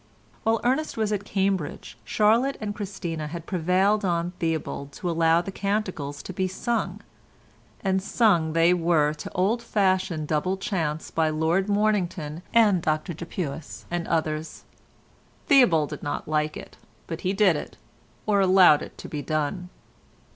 While Ernest was at Cambridge, Charlotte and Christina had prevailed on Theobald to allow the canticles to be sung; and sung they were to old fashioned double chants by Lord Mornington and Dr Dupuis and others. Theobald did not like it, but he did it, or allowed it to be done.